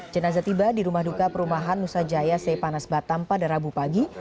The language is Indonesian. jenazah tiba di rumah duka perumahan nusa jaya sepanas batam pada rabu pagi